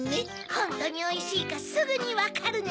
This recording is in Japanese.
ホントにおいしいかすぐにわかるネ。